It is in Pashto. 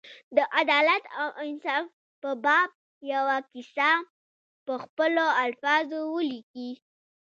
د عدالت او انصاف په باب یوه کیسه په خپلو الفاظو ولیکي.